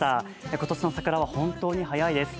今年の桜は本当に早いです。